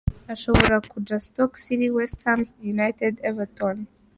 Ashobora kuja:Stoke City, West Ham United, Everton.